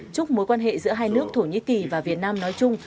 chúc mối quan hệ giữa hai nước thổ nhĩ kỳ và việt nam nói chung